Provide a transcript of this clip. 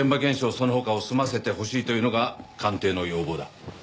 その他を済ませてほしいというのが官邸の要望だ。